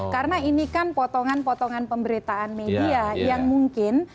karena ini kan potongan potongan pemberitaan media yang mungkin